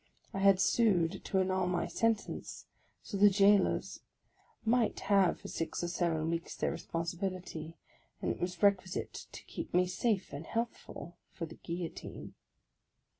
I had sued to annul my sentence, so the jailors might have for six or seven weeks their responsibility ; and it was requisite to keep me safe and healthful for the Guillotine